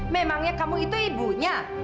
memangnya kamu itu ibunya